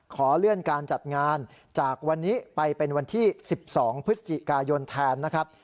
ขอเลื่อนการจัดงานจากวันนี้ไปเป็นวันที่๑๒พฤศจิกายนแทนนะครับ